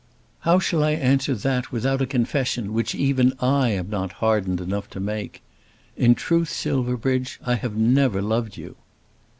"How shall I answer that without a confession which even I am not hardened enough to make? In truth, Silverbridge, I have never loved you."